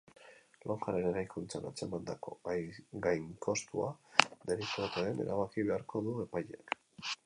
Lonjaren eraikuntzan atzemandako gainkostua delitu ote den erabaki beharko du epaileak.